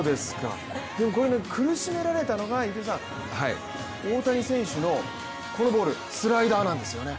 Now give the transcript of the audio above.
苦しめられたのが糸井さん、大谷選手のこのボール、スライダーなんですよね。